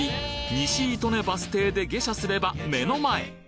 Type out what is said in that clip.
西糸根バス停で下車すれば目の前！